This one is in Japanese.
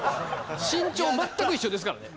身長全く一緒ですからね。